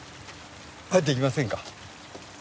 入っていきませんか？